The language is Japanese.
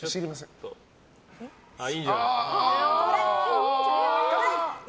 いいんじゃない。